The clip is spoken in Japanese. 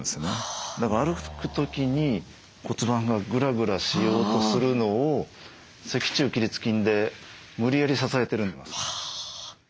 だから歩く時に骨盤がグラグラしようとするのを脊柱起立筋で無理やり支えてるんですよ。